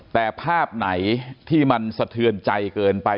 แต่ภาพไหนที่มันสะเทือนใจเกินไป